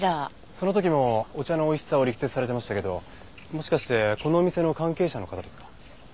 その時もお茶の美味しさを力説されてましたけどもしかしてこのお店の関係者の方ですか？